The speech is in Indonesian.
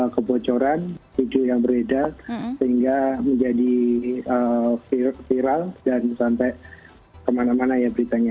kebocoran video yang berbeda sehingga menjadi viral dan sampai kemana mana ya beritanya